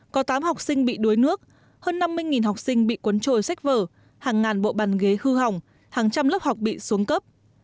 có tám học sinh bị đuối nước hơn năm mươi học sinh bị cuốn trôi sách vở hàng ngàn bộ bàn ghế hư hỏng hàng trăm lớp học bị xuống cấp